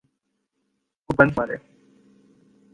وہ ہنس مارے۔